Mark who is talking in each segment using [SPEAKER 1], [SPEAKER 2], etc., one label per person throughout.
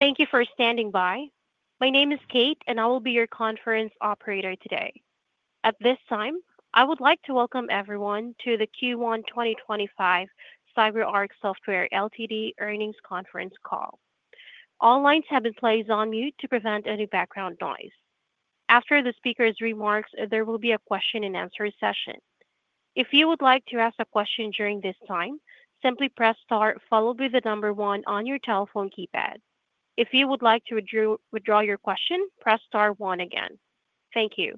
[SPEAKER 1] Thank you for standing by. My name is Kate, and I will be your conference operator today. At this time, I would like to welcome everyone to the Q1 2025 CyberArk Software Ltd earnings conference call. All lines have been placed on mute to prevent any background noise. After the speaker's remarks, there will be a question-and-answer session. If you would like to ask a question during this time, simply press star, followed by the number one on your telephone keypad. If you would like to withdraw your question, press star one again. Thank you.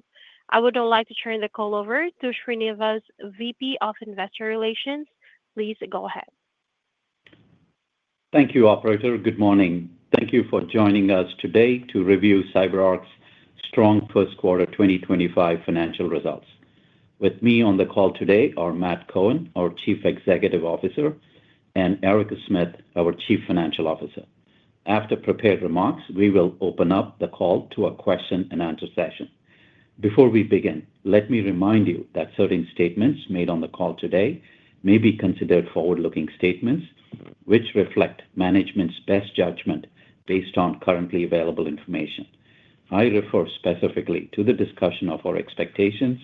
[SPEAKER 1] I would now like to turn the call over to Srinivas, VP of Investor Relations. Please go ahead.
[SPEAKER 2] Thank you, Operator. Good morning. Thank you for joining us today to review CyberArk's strong first quarter 2025 financial results. With me on the call today are Matt Cohen, our Chief Executive Officer, and Erica Smith, our Chief Financial Officer. After prepared remarks, we will open up the call to a question-and-answer session. Before we begin, let me remind you that certain statements made on the call today may be considered forward-looking statements which reflect management's best judgment based on currently available information. I refer specifically to the discussion of our expectations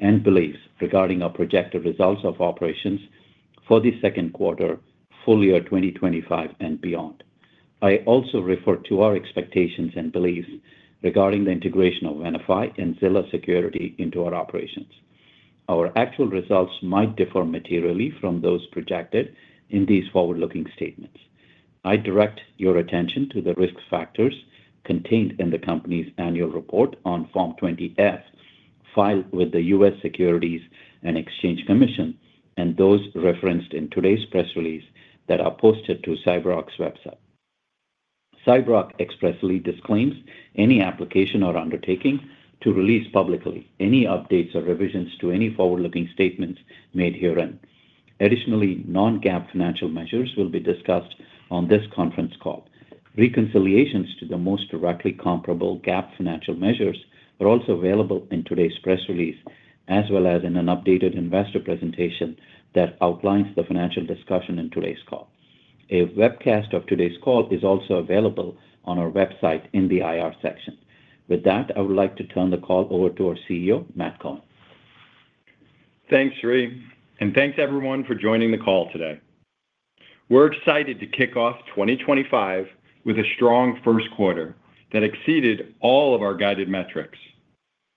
[SPEAKER 2] and beliefs regarding our projected results of operations for the second quarter, full year 2025, and beyond. I also refer to our expectations and beliefs regarding the integration of Venafi and Zilla Security into our operations. Our actual results might differ materially from those projected in these forward-looking statements. I direct your attention to the risk factors contained in the company's annual report on Form 20-F filed with the U.S. Securities and Exchange Commission and those referenced in today's press release that are posted to CyberArk's website. CyberArk expressly disclaims any application or undertaking to release publicly any updates or revisions to any forward-looking statements made herein. Additionally, non-GAAP financial measures will be discussed on this conference call. Reconciliations to the most directly comparable GAAP financial measures are also available in today's press release, as well as in an updated investor presentation that outlines the financial discussion in today's call. A webcast of today's call is also available on our website in the IR section. With that, I would like to turn the call over to our CEO, Matt Cohen.
[SPEAKER 3] Thanks, Sri. Thanks, everyone, for joining the call today. We're excited to kick off 2025 with a strong first quarter that exceeded all of our guided metrics.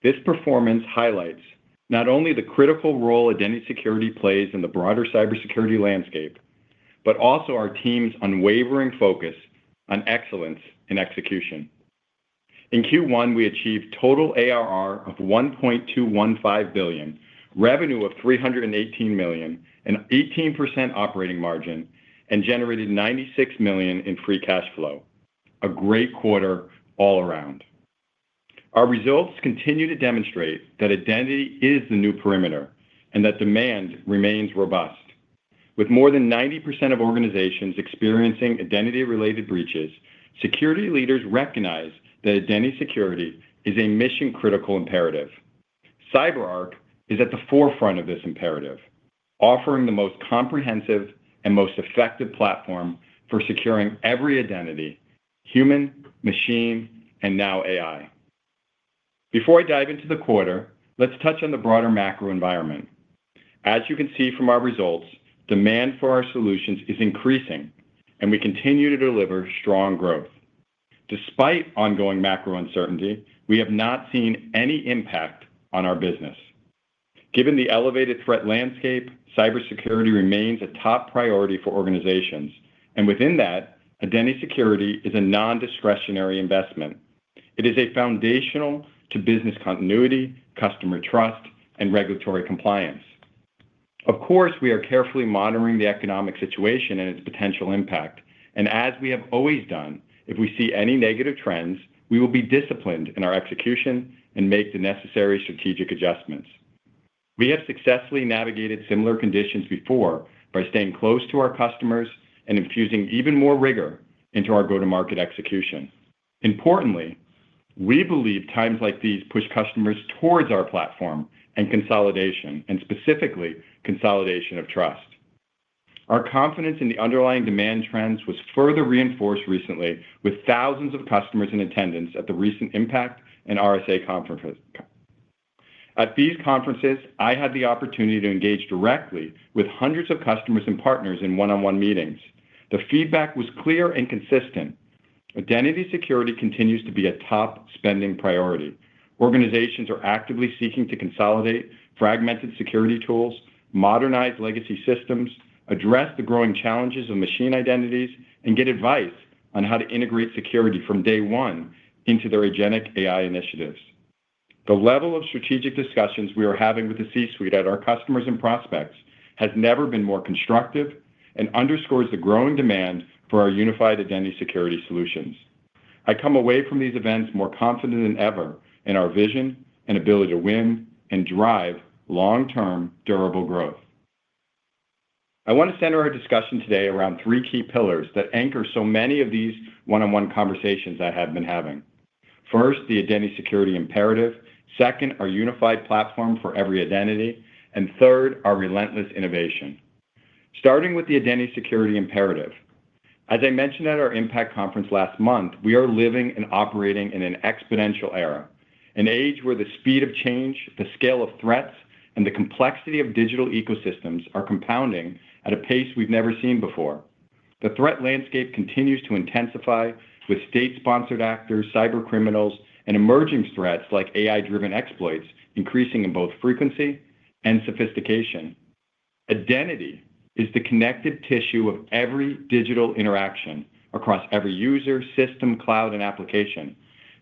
[SPEAKER 3] This performance highlights not only the critical role identity security plays in the broader cybersecurity landscape, but also our team's unwavering focus on excellence in execution. In Q1, we achieved total ARR of $1.215 billion, revenue of $318 million, an 18% operating margin, and generated $96 million in free cash flow. A great quarter all around. Our results continue to demonstrate that identity is the new perimeter and that demand remains robust. With more than 90% of organizations experiencing identity-related breaches, security leaders recognize that identity security is a mission-critical imperative. CyberArk is at the forefront of this imperative, offering the most comprehensive and most effective platform for securing every identity: human, machine, and now AI. Before I dive into the quarter, let's touch on the broader macro environment. As you can see from our results, demand for our solutions is increasing, and we continue to deliver strong growth. Despite ongoing macro uncertainty, we have not seen any impact on our business. Given the elevated threat landscape, cybersecurity remains a top priority for organizations, and within that, identity security is a non-discretionary investment. It is foundational to business continuity, customer trust, and regulatory compliance. Of course, we are carefully monitoring the economic situation and its potential impact, and as we have always done, if we see any negative trends, we will be disciplined in our execution and make the necessary strategic adjustments. We have successfully navigated similar conditions before by staying close to our customers and infusing even more rigor into our go-to-market execution. Importantly, we believe times like these push customers towards our platform and consolidation, and specifically consolidation of trust. Our confidence in the underlying demand trends was further reinforced recently with thousands of customers in attendance at the recent IMPACT and RSA conferences. At these conferences, I had the opportunity to engage directly with hundreds of customers and partners in one-on-one meetings. The feedback was clear and consistent. Identity security continues to be a top spending priority. Organizations are actively seeking to consolidate fragmented security tools, modernize legacy systems, address the growing challenges of machine identities, and get advice on how to integrate security from day one into their agentic AI initiatives. The level of strategic discussions we are having with the C-suite at our customers and prospects has never been more constructive and underscores the growing demand for our unified identity security solutions. I come away from these events more confident than ever in our vision and ability to win and drive long-term durable growth. I want to center our discussion today around three key pillars that anchor so many of these one-on-one conversations I have been having. First, the identity security imperative. Second, our unified platform for every identity. And third, our relentless innovation. Starting with the identity security imperative. As I mentioned at our IMPACT conference last month, we are living and operating in an exponential era, an age where the speed of change, the scale of threats, and the complexity of digital ecosystems are compounding at a pace we've never seen before. The threat landscape continues to intensify with state-sponsored actors, cybercriminals, and emerging threats like AI-driven exploits increasing in both frequency and sophistication. Identity is the connective tissue of every digital interaction across every user, system, cloud, and application,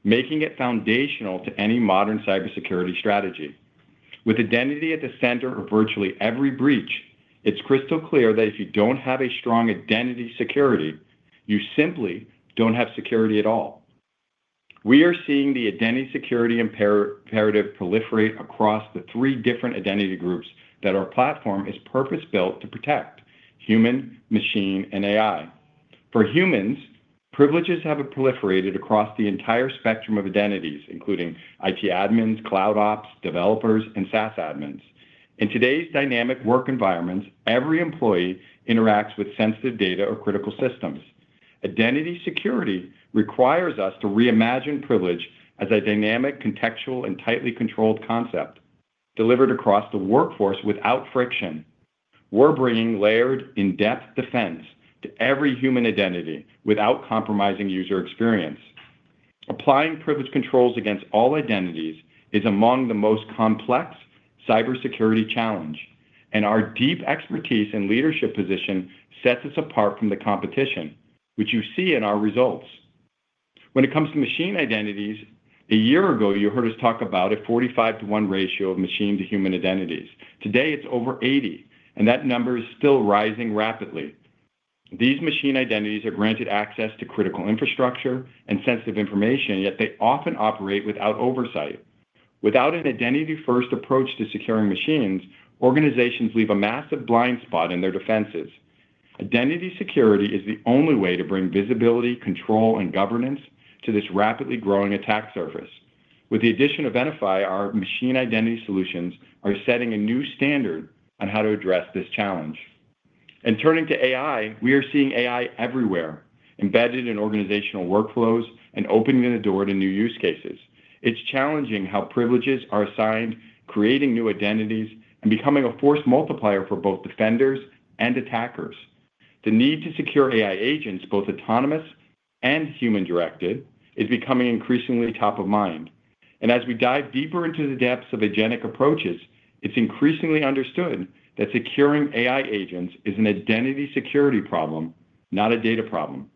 [SPEAKER 3] making it foundational to any modern cybersecurity strategy. With identity at the center of virtually every breach, it's crystal clear that if you don't have strong identity security, you simply don't have security at all. We are seeing the identity security imperative proliferate across the three different identity groups that our platform is purpose-built to protect: human, machine, and AI. For humans, privileges have proliferated across the entire spectrum of identities, including IT admins, CloudOps, developers, and SaaS admins. In today's dynamic work environments, every employee interacts with sensitive data or critical systems. Identity security requires us to reimagine privilege as a dynamic, contextual, and tightly controlled concept delivered across the workforce without friction. We're bringing layered, in-depth defense to every human identity without compromising user experience. Applying privilege controls against all identities is among the most complex cybersecurity challenge, and our deep expertise and leadership position sets us apart from the competition, which you see in our results. When it comes to machine identities, a year ago, you heard us talk about a 45-to-1 ratio of machine-to-human identities. Today, it's over 80, and that number is still rising rapidly. These machine identities are granted access to critical infrastructure and sensitive information, yet they often operate without oversight. Without an identity-first approach to securing machines, organizations leave a massive blind spot in their defenses. Identity security is the only way to bring visibility, control, and governance to this rapidly growing attack surface. With the addition of Venafi, our machine identity solutions are setting a new standard on how to address this challenge. Turning to AI, we are seeing AI everywhere, embedded in organizational workflows and opening the door to new use cases. It's challenging how privileges are assigned, creating new identities, and becoming a force multiplier for both defenders and attackers. The need to secure AI agents, both autonomous and human-directed, is becoming increasingly top of mind. As we dive deeper into the depths of agentic approaches, it's increasingly understood that securing AI agents is an identity security problem, not a data problem.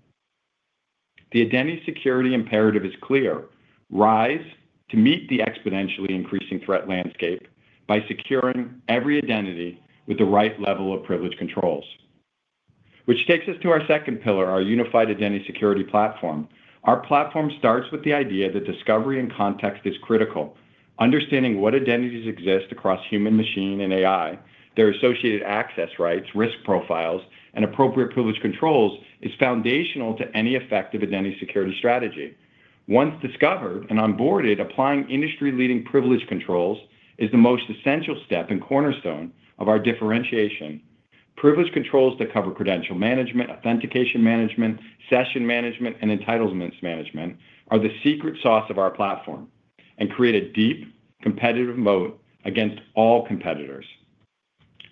[SPEAKER 3] The identity security imperative is clear: rise to meet the exponentially increasing threat landscape by securing every identity with the right level of privilege controls. This takes us to our second pillar, our unified identity security platform. Our platform starts with the idea that discovery and context is critical. Understanding what identities exist across human, machine, and AI, their associated access rights, risk profiles, and appropriate privilege controls is foundational to any effective identity security strategy. Once discovered and onboarded, applying industry-leading privilege controls is the most essential step and cornerstone of our differentiation. Privilege controls that cover credential management, authentication management, session management, and entitlements management are the secret sauce of our platform and create a deep competitive moat against all competitors.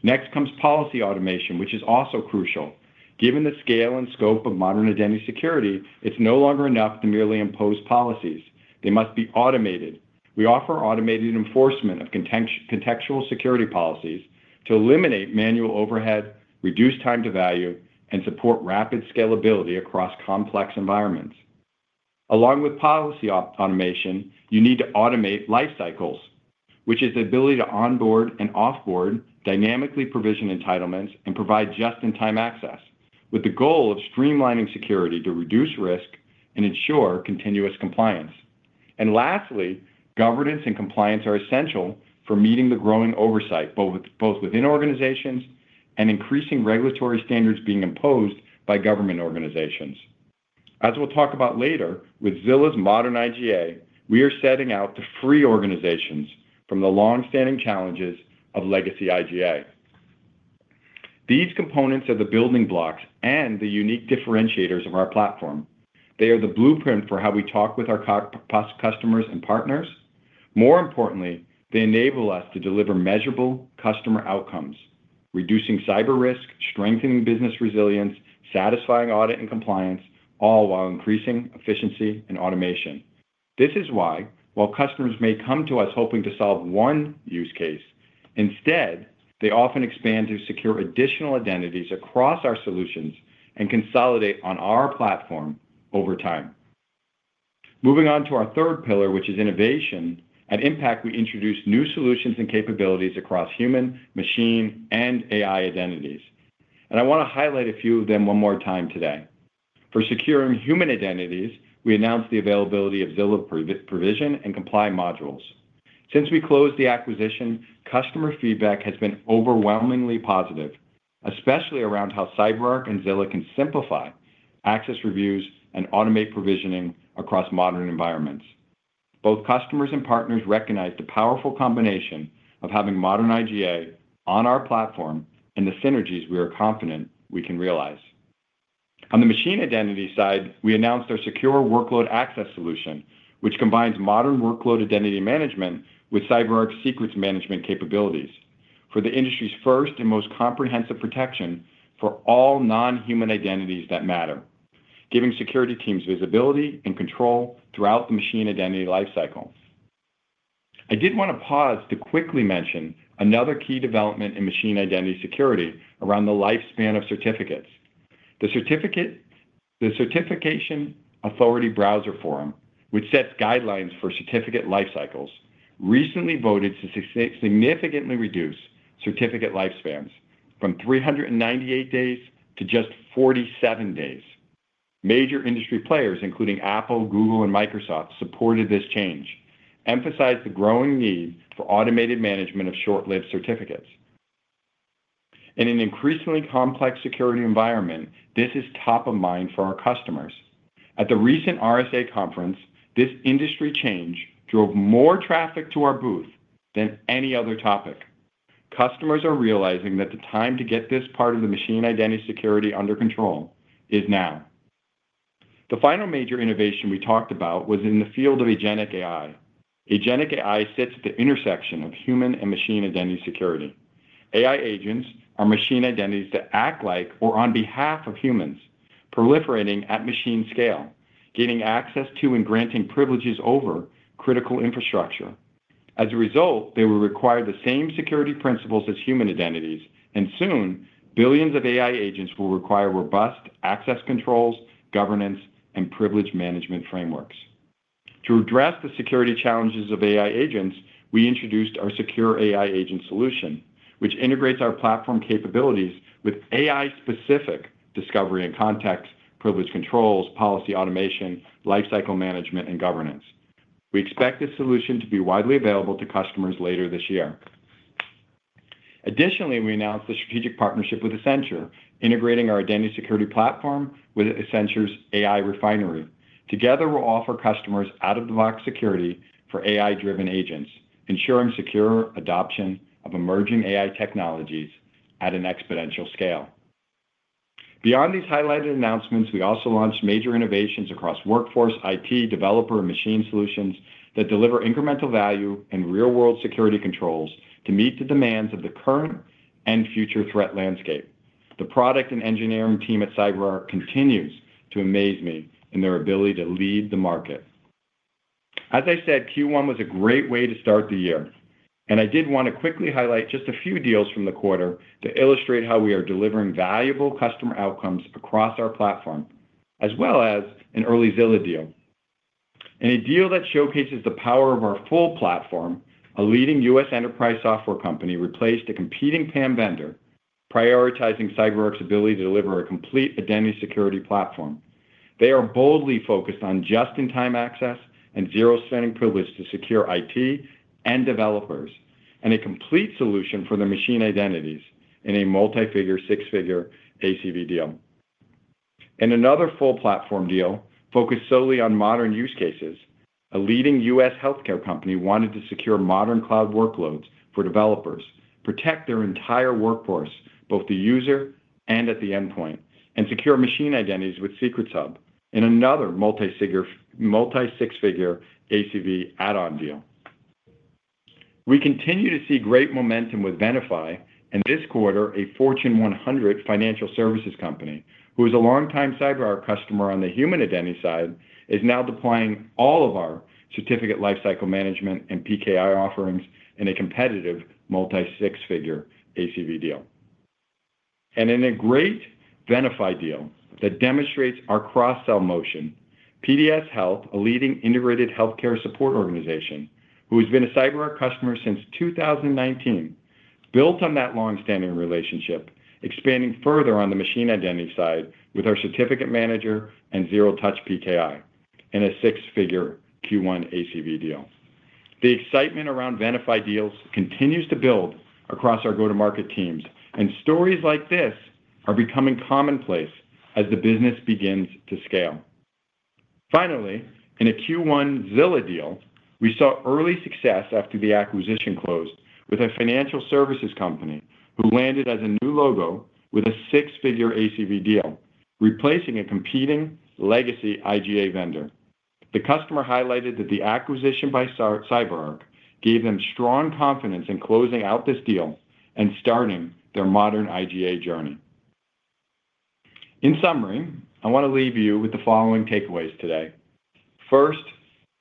[SPEAKER 3] Next comes policy automation, which is also crucial. Given the scale and scope of modern identity security, it's no longer enough to merely impose policies. They must be automated. We offer automated enforcement of contextual security policies to eliminate manual overhead, reduce time to value, and support rapid scalability across complex environments. Along with policy automation, you need to automate lifecycles, which is the ability to onboard and offboard, dynamically provision entitlements, and provide just-in-time access with the goal of streamlining security to reduce risk and ensure continuous compliance. Lastly, governance and compliance are essential for meeting the growing oversight both within organizations and increasing regulatory standards being imposed by government organizations. As we'll talk about later, with Zilla's modern IGA, we are setting out to free organizations from the long-standing challenges of legacy IGA. These components are the building blocks and the unique differentiators of our platform. They are the blueprint for how we talk with our customers and partners. More importantly, they enable us to deliver measurable customer outcomes, reducing cyber risk, strengthening business resilience, satisfying audit and compliance, all while increasing efficiency and automation. This is why, while customers may come to us hoping to solve one use case, instead, they often expand to secure additional identities across our solutions and consolidate on our platform over time. Moving on to our third pillar, which is innovation. At IMPACT, we introduce new solutions and capabilities across human, machine, and AI identities. I want to highlight a few of them one more time today. For securing human identities, we announced the availability of Zilla Provision and Comply modules. Since we closed the acquisition, customer feedback has been overwhelmingly positive, especially around how CyberArk and Zilla can simplify access reviews and automate provisioning across modern environments. Both customers and partners recognize the powerful combination of having modern IGA on our platform and the synergies we are confident we can realize. On the machine identity side, we announced our secure workload access solution, which combines modern workload identity management with CyberArk's Secrets Management capabilities for the industry's first and most comprehensive protection for all non-human identities that matter, giving security teams visibility and control throughout the machine identity lifecycle. I did want to pause to quickly mention another key development in machine identity security around the lifespan of certificates. The Certification Authority/Browser Forum, which sets guidelines for certificate lifecycles, recently voted to significantly reduce certificate lifespans from 398 days to just 47 days. Major industry players, including Apple, Google, and Microsoft, supported this change, emphasized the growing need for automated management of short-lived certificates. In an increasingly complex security environment, this is top of mind for our customers. At the recent RSA conference, this industry change drove more traffic to our booth than any other topic. Customers are realizing that the time to get this part of the machine identity security under control is now. The final major innovation we talked about was in the field of agentic AI. Agentic AI sits at the intersection of human and machine identity security. AI agents are machine identities that act like or on behalf of humans, proliferating at machine scale, gaining access to and granting privileges over critical infrastructure. As a result, they will require the same security principles as human identities, and soon, billions of AI agents will require robust access controls, governance, and privilege management frameworks. To address the security challenges of AI agents, we introduced our Secure AI Agent solution, which integrates our platform capabilities with AI-specific discovery and context, privilege controls, policy automation, lifecycle management, and governance. We expect this solution to be widely available to customers later this year. Additionally, we announced the strategic partnership with Accenture, integrating our identity security platform with Accenture's AI Refinery. Together, we'll offer customers out-of-the-box security for AI-driven agents, ensuring secure adoption of emerging AI technologies at an exponential scale. Beyond these highlighted announcements, we also launched major innovations across workforce, IT, developer, and machine solutions that deliver incremental value and real-world security controls to meet the demands of the current and future threat landscape. The product and engineering team at CyberArk continues to amaze me in their ability to lead the market. As I said, Q1 was a great way to start the year, and I did want to quickly highlight just a few deals from the quarter to illustrate how we are delivering valuable customer outcomes across our platform, as well as an early Zilla deal. In a deal that showcases the power of our full platform, a leading U.S. enterprise software company replaced a competing PAM vendor, prioritizing CyberArk's ability to deliver a complete identity security platform. They are boldly focused on just-in-time access and zero standing privilege to secure IT and developers, and a complete solution for their machine identities in a multi-figure six-figure ACV deal. In another full platform deal focused solely on modern use cases, a leading U.S. healthcare company wanted to secure modern cloud workloads for developers, protect their entire workforce, both the user and at the endpoint, and secure machine identities with Secrets Hub in another multi-six-figure ACV add-on deal. We continue to see great momentum with Venafi, and this quarter, a Fortune 100 financial services company, who is a longtime CyberArk customer on the human identity side, is now deploying all of our certificate lifecycle management and PKI offerings in a competitive multi-six-figure ACV deal. In a great Venafi deal that demonstrates our cross-sell motion, PDS Health, a leading integrated healthcare support organization, who has been a CyberArk customer since 2019, built on that long-standing relationship, expanding further on the machine identity side with our Certificate Manager and Zero Touch PKI in a six-figure Q1 ACV deal. The excitement around Venafi deals continues to build across our go-to-market teams, and stories like this are becoming commonplace as the business begins to scale. Finally, in a Q1 Zilla deal, we saw early success after the acquisition closed with a financial services company who landed as a new logo with a six-figure ACV deal, replacing a competing legacy IGA vendor. The customer highlighted that the acquisition by CyberArk gave them strong confidence in closing out this deal and starting their modern IGA journey. In summary, I want to leave you with the following takeaways today. First,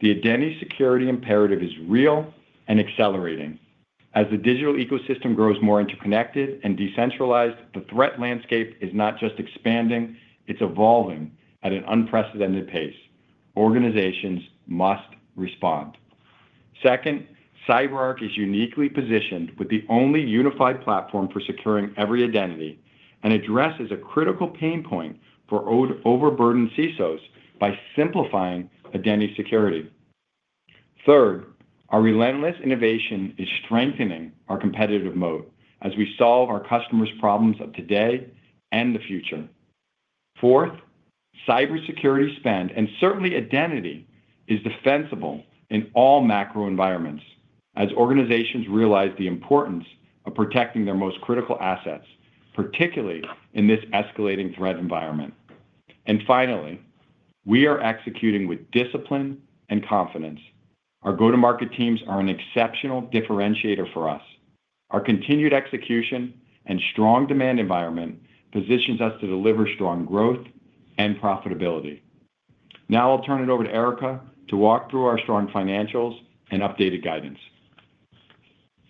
[SPEAKER 3] the identity security imperative is real and accelerating. As the digital ecosystem grows more interconnected and decentralized, the threat landscape is not just expanding, it is evolving at an unprecedented pace. Organizations must respond. Second, CyberArk is uniquely positioned with the only unified platform for securing every identity and addresses a critical pain point for overburdened CISOs by simplifying identity security. Third, our relentless innovation is strengthening our competitive moat as we solve our customers' problems of today and the future. Fourth, cybersecurity spend, and certainly identity, is defensible in all macro environments as organizations realize the importance of protecting their most critical assets, particularly in this escalating threat environment. Finally, we are executing with discipline and confidence. Our go-to-market teams are an exceptional differentiator for us. Our continued execution and strong demand environment positions us to deliver strong growth and profitability. Now I'll turn it over to Erica to walk through our strong financials and updated guidance.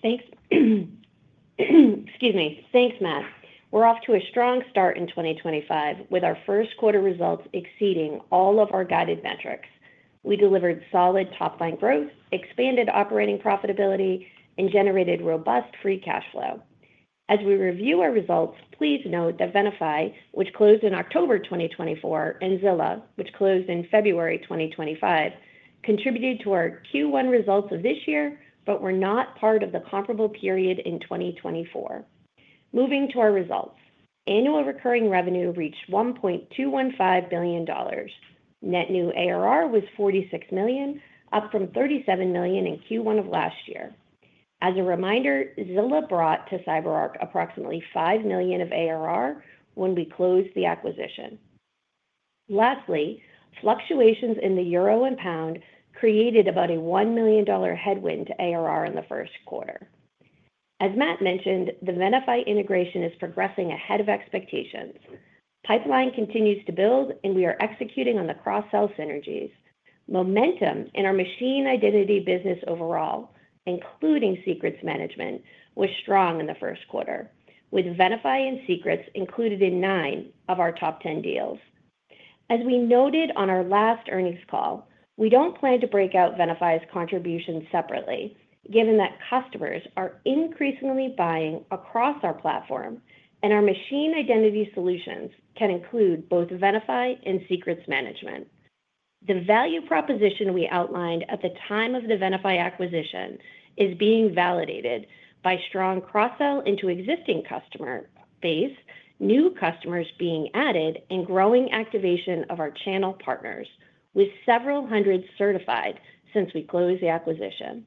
[SPEAKER 4] Thanks. Excuse me. Thanks, Matt. We're off to a strong start in 2025 with our first quarter results exceeding all of our guided metrics. We delivered solid top-line growth, expanded operating profitability, and generated robust free cash flow. As we review our results, please note that Venafi, which closed in October 2024, and Zilla, which closed in February 2025, contributed to our Q1 results of this year, but were not part of the comparable period in 2024. Moving to our results, annual recurring revenue reached $1.215 billion. Net new ARR was $46 million, up from $37 million in Q1 of last year. As a reminder, Zilla brought to CyberArk approximately $5 million of ARR when we closed the acquisition. Lastly, fluctuations in the euro and pound created about a $1 million headwind to ARR in the first quarter. As Matt mentioned, the Venafi integration is progressing ahead of expectations. Pipeline continues to build, and we are executing on the cross-sell synergies. Momentum in our machine identity business overall, including secrets management, was strong in the first quarter, with Venafi and Secrets included in nine of our top 10 deals. As we noted on our last earnings call, we do not plan to break out Venafi's contributions separately, given that customers are increasingly buying across our platform, and our machine identity solutions can include both Venafi and Secrets Management. The value proposition we outlined at the time of the Venafi acquisition is being validated by strong cross-sell into existing customer base, new customers being added, and growing activation of our channel partners, with several hundred certified since we closed the acquisition.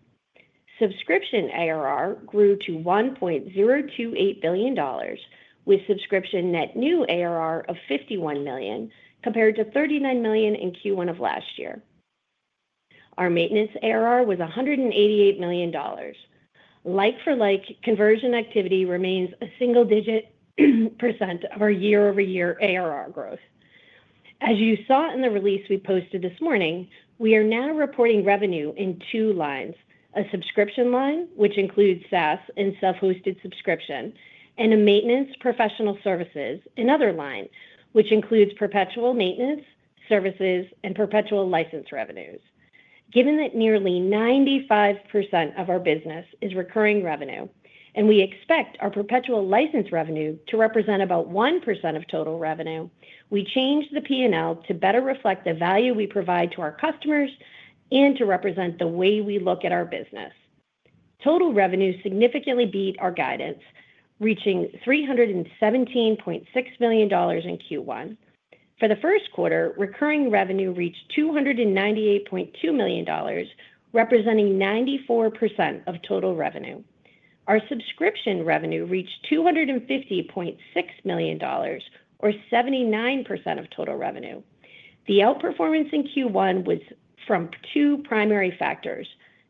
[SPEAKER 4] Subscription ARR grew to $1.028 billion, with subscription net new ARR of $51 million, compared to $39 million in Q1 of last year. Our maintenance ARR was $188 million. Like-for-like conversion activity remains a single-digit percent of our year-over-year ARR growth. As you saw in the release we posted this morning, we are now reporting revenue in two lines: a Subscription line, which includes SaaS and self-hosted subscription, and a Maintenance Professional Services and Other line, which includes perpetual maintenance services and perpetual license revenues. Given that nearly 95% of our business is recurring revenue, and we expect our perpetual license revenue to represent about 1% of total revenue, we changed the P&L to better reflect the value we provide to our customers and to represent the way we look at our business. Total revenue significantly beat our guidance, reaching $317.6 million in Q1. For the first quarter, recurring revenue reached $298.2 million, representing 94% of total revenue. Our subscription revenue reached $250.6 million, or 79% of total revenue. The outperformance in Q1 was from two primary factors: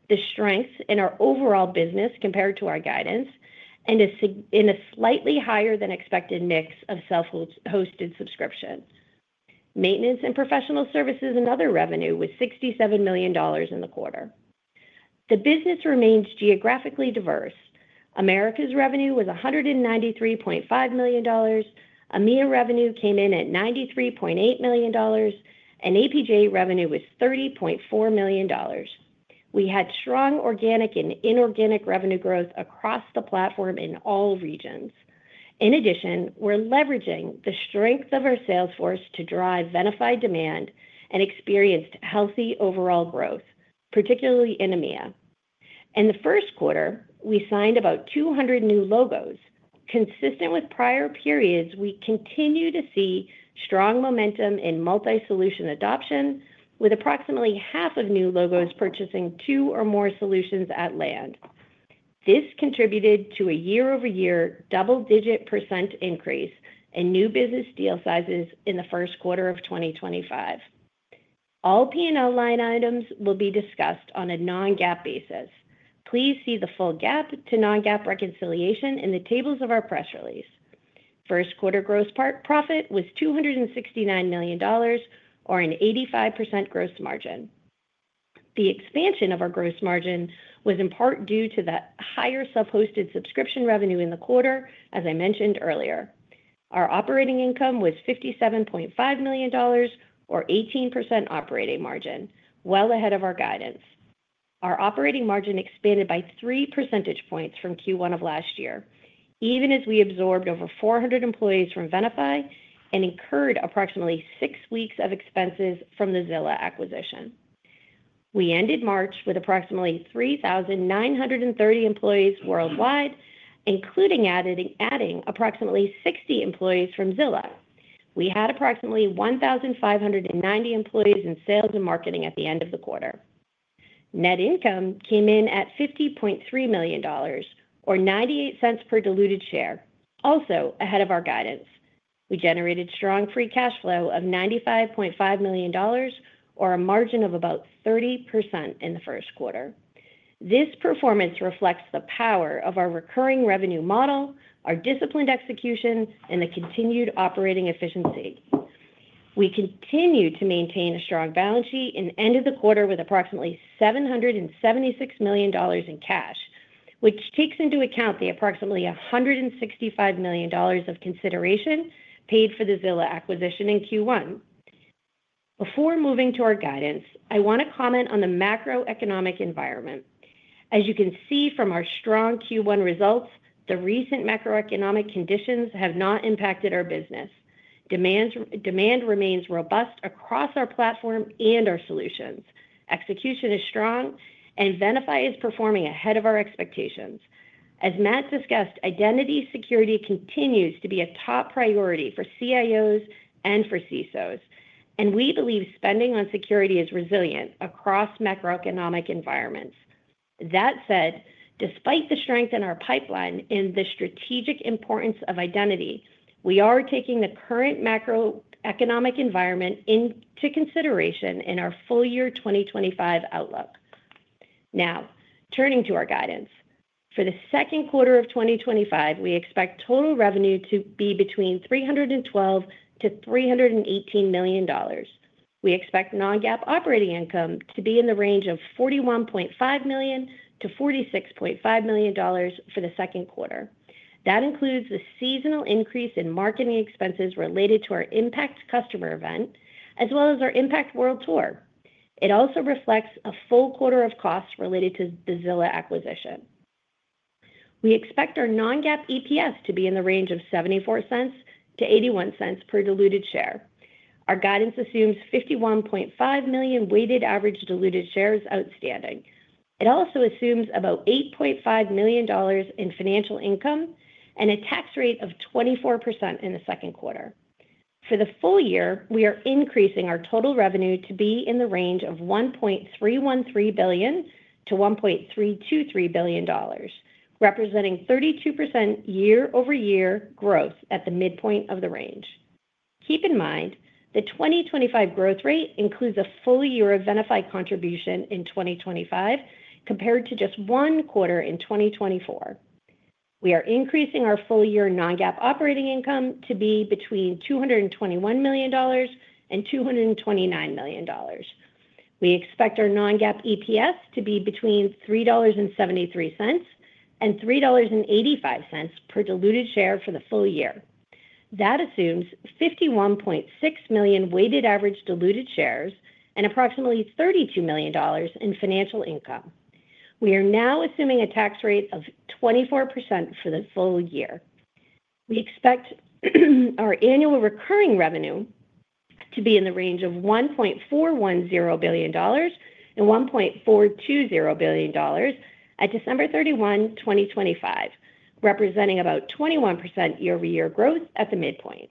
[SPEAKER 4] the strength in our overall business compared to our guidance and a slightly higher-than-expected mix of self-hosted subscription. Maintenance and Professional Services and Other revenue was $67 million in the quarter. The business remains geographically diverse. America's revenue was $193.5 million. EMEA revenue came in at $93.8 million, and APJ revenue was $30.4 million. We had strong organic and inorganic revenue growth across the platform in all regions. In addition, we're leveraging the strength of our salesforce to drive Venafi demand and experienced healthy overall growth, particularly in EMEA. In the first quarter, we signed about 200 new logos. Consistent with prior periods, we continue to see strong momentum in multi-solution adoption, with approximately half of new logos purchasing two or more solutions at land. This contributed to a year-over-year double-digit percent increase in new business deal sizes in the first quarter of 2025. All P&L line items will be discussed on a non-GAAP basis. Please see the full GAAP to non-GAAP reconciliation in the tables of our press release. First quarter gross profit was $269 million, or an 85% gross margin. The expansion of our gross margin was in part due to the higher self-hosted subscription revenue in the quarter, as I mentioned earlier. Our operating income was $57.5 million, or 18% operating margin, well ahead of our guidance. Our operating margin expanded by three percentage points from Q1 of last year, even as we absorbed over 400 employees from Venafi and incurred approximately six weeks of expenses from the Zilla acquisition. We ended March with approximately 3,930 employees worldwide, including adding approximately 60 employees from Zilla. We had approximately 1,590 employees in sales and marketing at the end of the quarter. Net income came in at $50.3 million, or $0.98 per diluted share, also ahead of our guidance. We generated strong free cash flow of $95.5 million, or a margin of about 30% in the first quarter. This performance reflects the power of our recurring revenue model, our disciplined execution, and the continued operating efficiency. We continue to maintain a strong balance sheet and ended the quarter with approximately $776 million in cash, which takes into account the approximately $165 million of consideration paid for the Zilla acquisition in Q1. Before moving to our guidance, I want to comment on the macroeconomic environment. As you can see from our strong Q1 results, the recent macroeconomic conditions have not impacted our business. Demand remains robust across our platform and our solutions. Execution is strong, and Venafi is performing ahead of our expectations. As Matt discussed, identity security continues to be a top priority for CIOs and for CISOs, and we believe spending on security is resilient across macroeconomic environments. That said, despite the strength in our pipeline and the strategic importance of identity, we are taking the current macroeconomic environment into consideration in our full year 2025 outlook. Now, turning to our guidance. For the second quarter of 2025, we expect total revenue to be between $312 million to $318 million. We expect non-GAAP operating income to be in the range of $41.5 million to $46.5 million for the second quarter. That includes the seasonal increase in marketing expenses related to our IMPACT Customer Event, as well as our IMPACT World Tour. It also reflects a full quarter of costs related to the Zilla acquisition. We expect our non-GAAP EPS to be in the range of $0.74 to $0.81 per diluted share. Our guidance assumes $51.5 million weighted average diluted shares outstanding. It also assumes about $8.5 million in financial income and a tax rate of 24% in the second quarter. For the full year, we are increasing our total revenue to be in the range of $1.313 billion to $1.323 billion, representing 32% year-over-year growth at the midpoint of the range. Keep in mind, the 2025 growth rate includes a full year of Venafi contribution in 2025, compared to just one quarter in 2024. We are increasing our full year non-GAAP operating income to be between $221 million and $229 million. We expect our non-GAAP EPS to be between $3.73 and $3.85 per diluted share for the full year. That assumes $51.6 million weighted average diluted shares and approximately $32 million in financial income. We are now assuming a tax rate of 24% for the full year. We expect our annual recurring revenue to be in the range of $1.410 billion to $1.420 billion at December 31, 2025, representing about 21% year-over-year growth at the midpoint.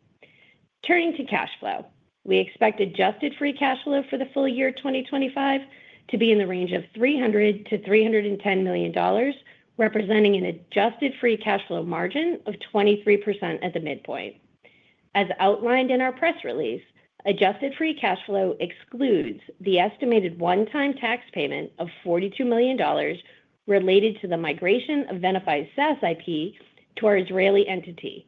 [SPEAKER 4] Turning to cash flow, we expect adjusted free cash flow for the full year 2025 to be in the range of $300 to $310 million, representing an adjusted free cash flow margin of 23% at the midpoint. As outlined in our press release, adjusted free cash flow excludes the estimated one-time tax payment of $42 million related to the migration of Venafi SaaS IP to our Israeli entity,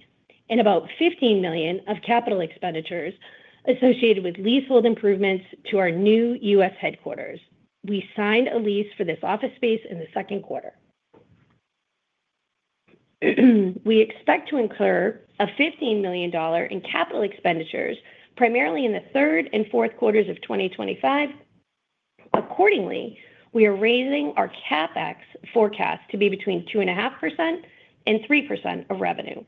[SPEAKER 4] and about $15 million of capital expenditures associated with leasehold improvements to our new U.S. headquarters. We signed a lease for this office space in the second quarter. We expect to incur $15 million in capital expenditures, primarily in the third and fourth quarters of 2025. Accordingly, we are raising our CapEx forecast to be between 2.5% and 3% of revenue.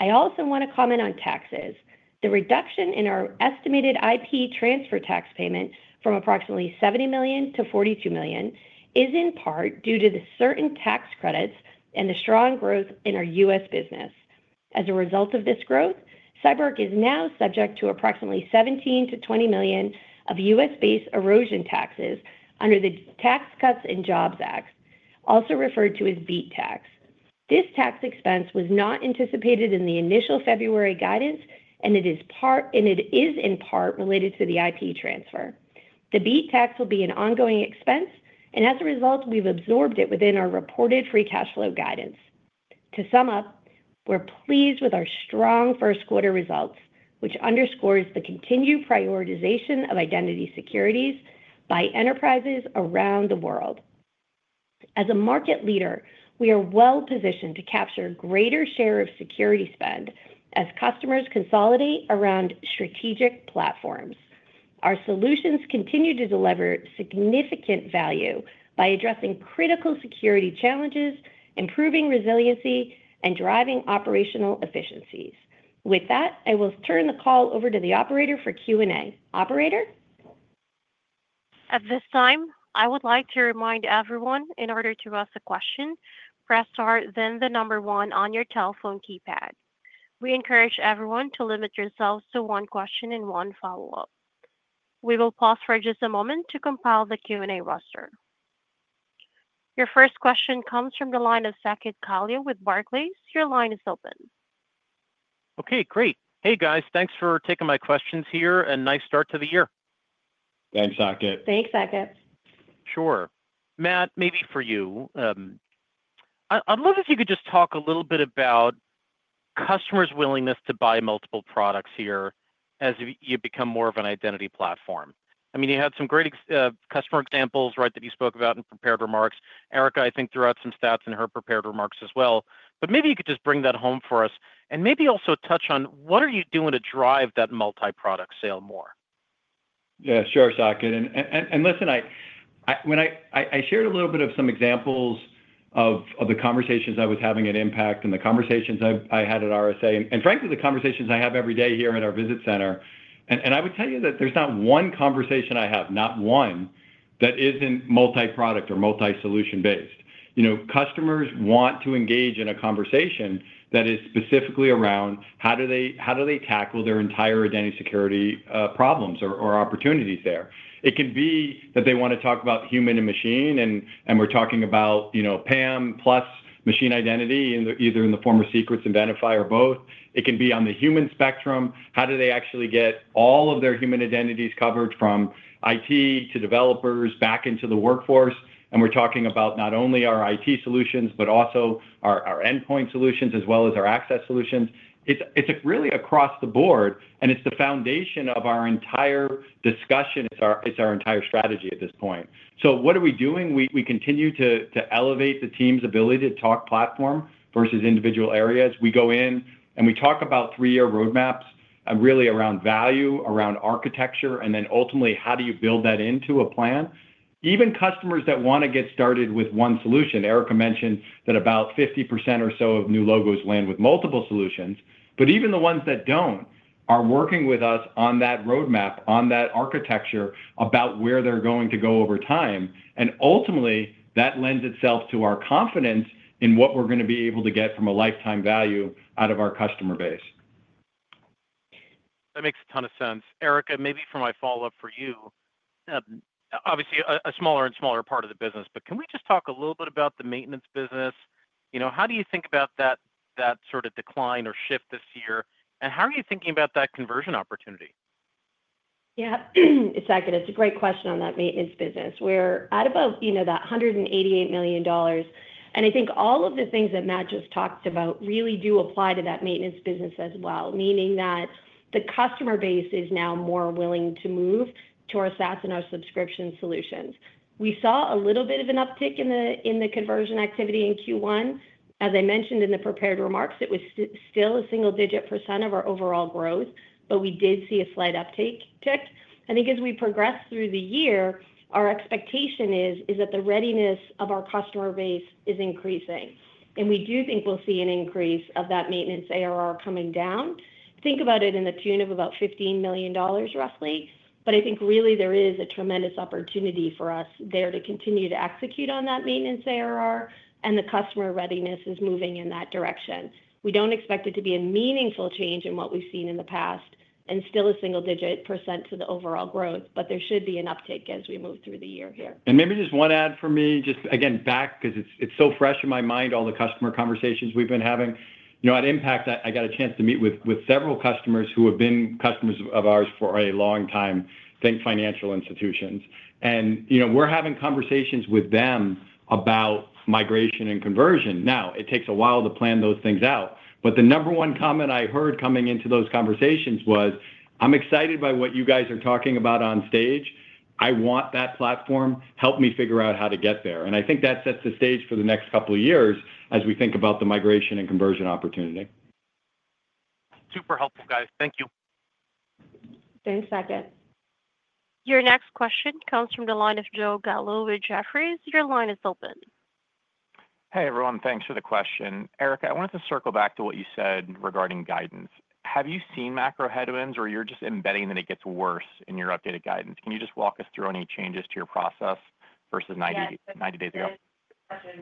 [SPEAKER 4] I also want to comment on taxes. The reduction in our estimated IP transfer tax payment from approximately $70 million to $42 million is in part due to certain tax credits and the strong growth in our U.S. business. As a result of this growth, CyberArk is now subject to approximately $17 to $20 million of U.S.-based erosion taxes under the Tax Cuts and Jobs Act, also referred to as BEAT Tax. This tax expense was not anticipated in the initial February guidance, and it is in part related to the IP transfer. The BEAT Tax will be an ongoing expense, and as a result, we've absorbed it within our reported free cash flow guidance. To sum up, we're pleased with our strong first quarter results, which underscores the continued prioritization of identity security by enterprises around the world. As a market leader, we are well-positioned to capture a greater share of security spend as customers consolidate around strategic platforms. Our solutions continue to deliver significant value by addressing critical security challenges, improving resiliency, and driving operational efficiencies. With that, I will turn the call over to the operator for Q&A. Operator?
[SPEAKER 1] At this time, I would like to remind everyone, in order to ask a question, press or then the number one on your telephone keypad. We encourage everyone to limit yourselves to one question and one follow-up. We will pause for just a moment to compile the Q&A roster. Your first question comes from the line of Saket Kalia with Barclays. Your line is open.
[SPEAKER 5] Okay, great. Hey, guys, thanks for taking my questions here. A nice start to the year.
[SPEAKER 3] Thanks, Saket.
[SPEAKER 4] Thanks, Saket.
[SPEAKER 5] Sure. Matt, maybe for you, I'd love if you could just talk a little bit about customers' willingness to buy multiple products here as you become more of an identity platform. I mean, you had some great customer examples, right, that you spoke about in prepared remarks. Erica, I think, threw out some stats in her prepared remarks as well. Maybe you could just bring that home for us and maybe also touch on what are you doing to drive that multi-product sale more?
[SPEAKER 3] Yeah, sure, Saket. Listen, I shared a little bit of some examples of the conversations I was having at IMPACT and the conversations I had at RSA, and frankly, the conversations I have every day here in our visit center. I would tell you that there's not one conversation I have, not one, that isn't multi-product or multi-solution based. Customers want to engage in a conversation that is specifically around how do they tackle their entire identity security problems or opportunities there. It can be that they want to talk about human and machine, and we're talking about PAM plus machine identity, either in the form of Secrets and Venafi or both. It can be on the human spectrum. How do they actually get all of their human identities covered from IT to developers back into the workforce? We're talking about not only our IT solutions, but also our endpoint solutions as well as our access solutions. It's really across the board, and it's the foundation of our entire discussion. It's our entire strategy at this point. What are we doing? We continue to elevate the team's ability to talk platform versus individual areas. We go in and we talk about three-year roadmaps, really around value, around architecture, and then ultimately, how do you build that into a plan? Even customers that want to get started with one solution, Erica mentioned that about 50% or so of new logos land with multiple solutions, but even the ones that do not are working with us on that roadmap, on that architecture about where they are going to go over time. Ultimately, that lends itself to our confidence in what we are going to be able to get from a lifetime value out of our customer base.
[SPEAKER 5] That makes a ton of sense. Erica, maybe for my follow-up for you, obviously a smaller and smaller part of the business, but can we just talk a little bit about the maintenance business? How do you think about that sort of decline or shift this year? How are you thinking about that conversion opportunity?
[SPEAKER 4] Yeah, Saket, it's a great question on that maintenance business. We're at about that $188 million. I think all of the things that Matt just talked about really do apply to that maintenance business as well, meaning that the customer base is now more willing to move to our SaaS and our subscription solutions. We saw a little bit of an uptick in the conversion activity in Q1. As I mentioned in the prepared remarks, it was still a single-digit percent of our overall growth, but we did see a slight uptick. I think as we progress through the year, our expectation is that the readiness of our customer base is increasing. We do think we'll see an increase of that maintenance ARR coming down. Think about it in the tune of about $15 million, roughly. I think really there is a tremendous opportunity for us there to continue to execute on that maintenance ARR, and the customer readiness is moving in that direction. We do not expect it to be a meaningful change in what we have seen in the past and still a single-digit percent to the overall growth, but there should be an uptick as we move through the year here.
[SPEAKER 3] Maybe just one add for me, just again back because it is so fresh in my mind, all the customer conversations we have been having. At IMPACT, I got a chance to meet with several customers who have been customers of ours for a long time, think financial institutions. We are having conversations with them about migration and conversion. Now, it takes a while to plan those things out, but the number one comment I heard coming into those conversations was, "I'm excited by what you guys are talking about on stage. I want that platform. Help me figure out how to get there." I think that sets the stage for the next couple of years as we think about the migration and conversion opportunity.
[SPEAKER 5] Super helpful, guys. Thank you.
[SPEAKER 4] Thanks, Saket.
[SPEAKER 1] Your next question comes from the line of Joe Gallo with Jefferies. Your line is open.
[SPEAKER 6] Hey, everyone. Thanks for the question. Erica, I wanted to circle back to what you said regarding guidance. Have you seen macro headwinds or you're just embedding that it gets worse in your updated guidance? Can you just walk us through any changes to your process versus 90 days ago?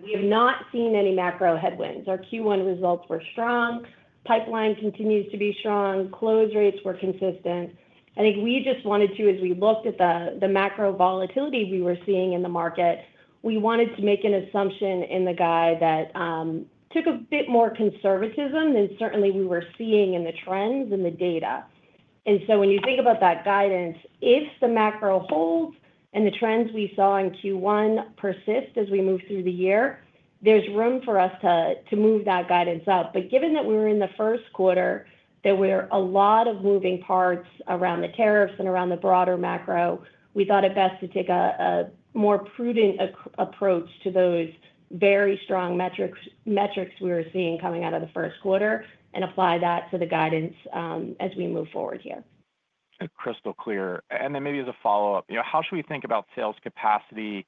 [SPEAKER 4] We have not seen any macro headwinds. Our Q1 results were strong. Pipeline continues to be strong. Close rates were consistent. I think we just wanted to, as we looked at the macro volatility we were seeing in the market, we wanted to make an assumption in the guide that took a bit more conservatism than certainly we were seeing in the trends and the data. When you think about that guidance, if the macro holds and the trends we saw in Q1 persist as we move through the year, there's room for us to move that guidance up. Given that we were in the first quarter, there were a lot of moving parts around the tariffs and around the broader macro, we thought it best to take a more prudent approach to those very strong metrics we were seeing coming out of the first quarter and apply that to the guidance as we move forward here.
[SPEAKER 6] Crystal clear. Maybe as a follow-up, how should we think about sales capacity,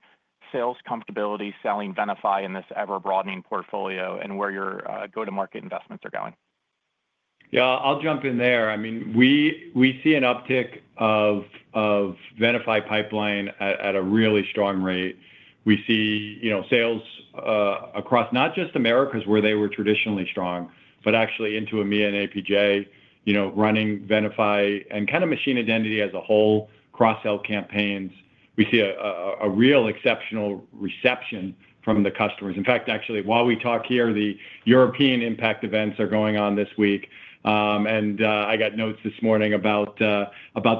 [SPEAKER 6] sales comfortability, selling Venafi in this ever-broadening portfolio and where your go-to-market investments are going?
[SPEAKER 3] Yeah, I'll jump in there. I mean, we see an uptick of Venafi pipeline at a really strong rate. We see sales across not just America where they were traditionally strong, but actually into EMEA and APJ running Venafi and kind of machine identity as a whole, cross-sell campaigns. We see a real exceptional reception from the customers. In fact, actually, while we talk here, the European impact events are going on this week. I got notes this morning about the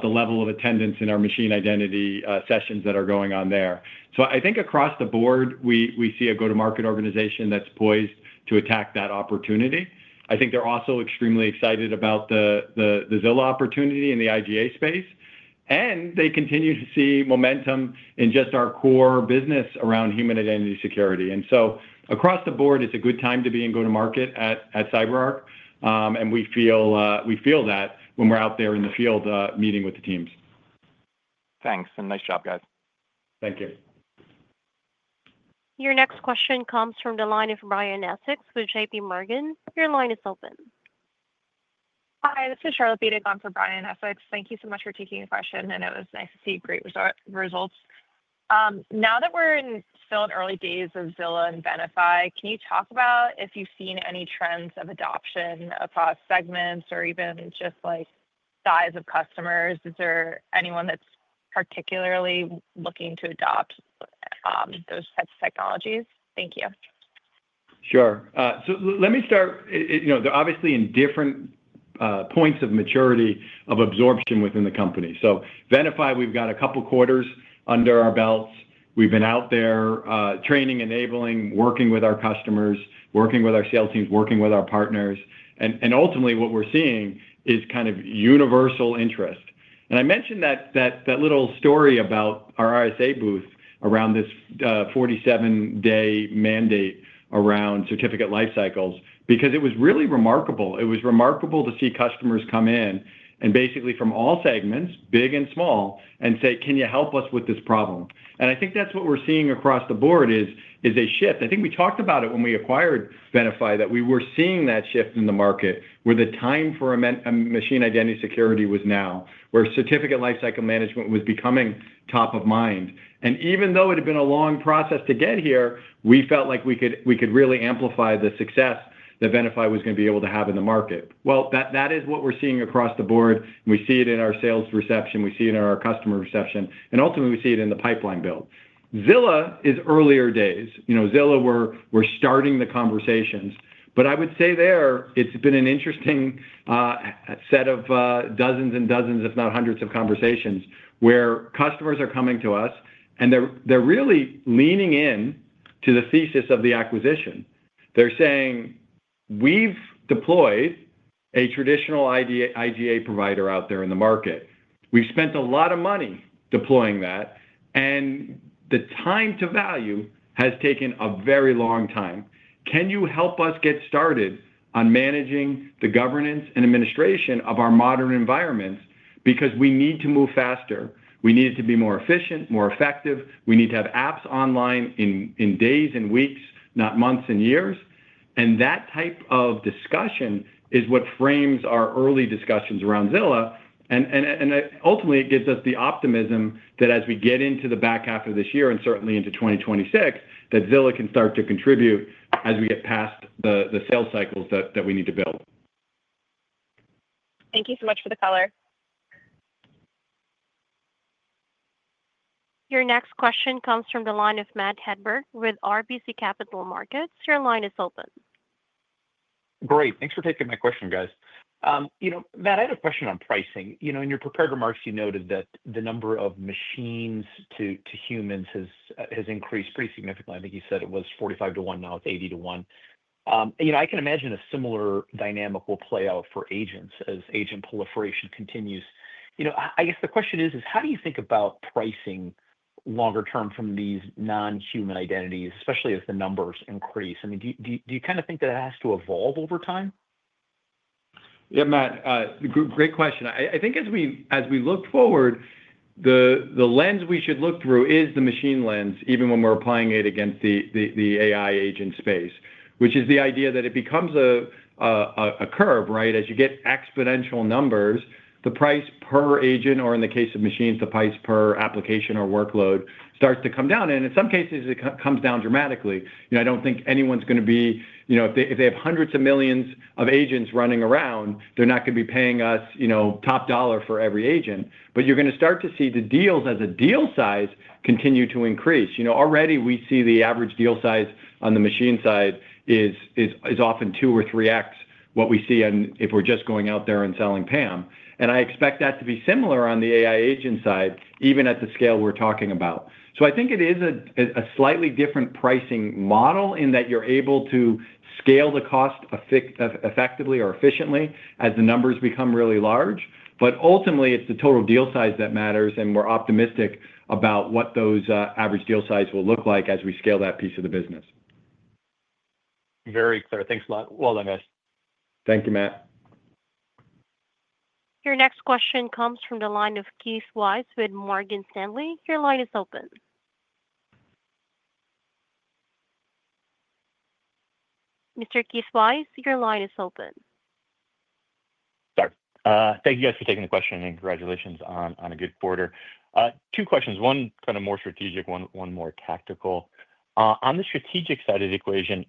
[SPEAKER 3] level of attendance in our machine identity sessions that are going on there. I think across the board, we see a go-to-market organization that's poised to attack that opportunity. I think they're also extremely excited about the Zilla opportunity in the IGA space. They continue to see momentum in just our core business around human identity security. Across the board, it's a good time to be in go-to-market at CyberArk. We feel that when we're out there in the field meeting with the teams.
[SPEAKER 6] Thanks. Nice job, guys.
[SPEAKER 3] Thank you.
[SPEAKER 1] Your next question comes from the line of Brian Essex with JPMorgan. Your line is open.
[SPEAKER 7] Hi, this is Charlotte Bedick for Brian Essex. Thank you so much for taking the question. I know it was nice to see great results. Now that we're still in early days of Zilla and Venafi, can you talk about if you've seen any trends of adoption across segments or even just size of customers? Is there anyone that's particularly looking to adopt those types of technologies? Thank you.
[SPEAKER 3] Sure. Let me start. They're obviously in different points of maturity of absorption within the company. Venafi, we've got a couple of quarters under our belts. We've been out there training, enabling, working with our customers, working with our sales teams, working with our partners. Ultimately, what we're seeing is kind of universal interest. I mentioned that little story about our RSA booth around this 47-day mandate around certificate life cycles because it was really remarkable. It was remarkable to see customers come in and basically from all segments, big and small, and say, "Can you help us with this problem?" I think that's what we're seeing across the board is a shift. I think we talked about it when we acquired Venafi that we were seeing that shift in the market where the time for machine identity security was now, where certificate life cycle management was becoming top of mind. Even though it had been a long process to get here, we felt like we could really amplify the success that Venafi was going to be able to have in the market. That is what we're seeing across the board. We see it in our sales reception. We see it in our customer reception. Ultimately, we see it in the pipeline build. Zilla is earlier days. Zilla, we're starting the conversations. I would say there it's been an interesting set of dozens and dozens, if not hundreds of conversations where customers are coming to us and they're really leaning into the thesis of the acquisition. They're saying, "We've deployed a traditional IGA provider out there in the market. We've spent a lot of money deploying that. And the time to value has taken a very long time. Can you help us get started on managing the governance and administration of our modern environments? Because we need to move faster. We need it to be more efficient, more effective. We need to have apps online in days and weeks, not months and years." That type of discussion is what frames our early discussions around Zilla. Ultimately, it gives us the optimism that as we get into the back half of this year and certainly into 2026, that Zilla can start to contribute as we get past the sales cycles that we need to build.
[SPEAKER 7] Thank you so much for the color.
[SPEAKER 1] Your next question comes from the line of Matt Hedberg with RBC Capital Markets. Your line is open.
[SPEAKER 8] Great. Thanks for taking my question, guys. Matt, I had a question on pricing. In your prepared remarks, you noted that the number of machines to humans has increased pretty significantly. I think you said it was 45 to 1, now it is 80 to 1. I can imagine a similar dynamic will play out for agents as agent proliferation continues. I guess the question is, how do you think about pricing longer term from these non-human identities, especially as the numbers increase? I mean, do you kind of think that it has to evolve over time?
[SPEAKER 3] Yeah, Matt, great question. I think as we look forward, the lens we should look through is the machine lens, even when we're applying it against the AI agent space, which is the idea that it becomes a curve, right? As you get exponential numbers, the price per agent, or in the case of machines, the price per application or workload starts to come down. In some cases, it comes down dramatically. I don't think anyone's going to be, if they have hundreds of millions of agents running around, they're not going to be paying us top dollar for every agent. You're going to start to see the deals as a deal size continue to increase. Already, we see the average deal size on the machine side is often 2x or 3x what we see if we're just going out there and selling PAM. I expect that to be similar on the AI agent side, even at the scale we're talking about. I think it is a slightly different pricing model in that you're able to scale the cost effectively or efficiently as the numbers become really large. Ultimately, it's the total deal size that matters. We're optimistic about what those average deal size will look like as we scale that piece of the business.
[SPEAKER 8] Very clear. Thanks a lot. Well done, guys.
[SPEAKER 3] Thank you, Matt.
[SPEAKER 1] Your next question comes from the line of Keith Weiss with Morgan Stanley. Your line is open. Mr. Keith Weiss, your line is open.
[SPEAKER 9] Thank you, guys, for taking the question and congratulations on a good quarter. Two questions. One kind of more strategic, one more tactical. On the strategic side of the equation,